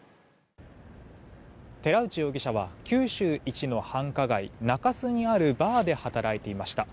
寺内容疑者は九州一の繁華街中洲にあるバーで働いていました。